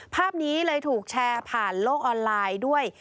ภาพนี้เลยถูกแชร์ผ่านโลกออนไลน์ด้วย